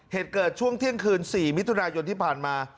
เหตุเกิดช่วงเที่ยงคืน๔มิถุนายนที่ผ่านมา